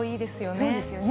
そうですよね。